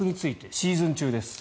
シーズン中です。